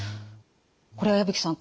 これは矢吹さん